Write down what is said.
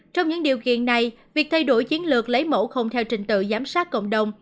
trong những điều kiện này việc thay đổi chiến lược lấy mẫu không theo trình tự giám sát cộng đồng